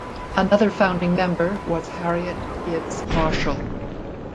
Another founding member was Harriet Gibbs Marshall.